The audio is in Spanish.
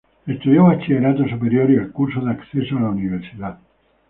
Estudió Bachillerato Superior y el Curso de Acceso a la Universidad.